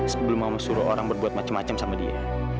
sebelum mau suruh orang berbuat macam macam sama dia